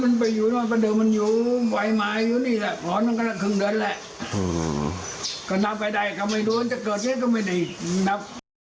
ก็นับไปได้ก็ไม่รู้จะเกิดยังไงก็ไม่ได้นับ